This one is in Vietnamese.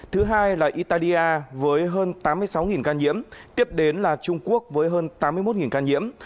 thứ hai là italia với hơn tám mươi sáu ca nhiễm tiếp đến là trung quốc với hơn tám mươi một ca nhiễm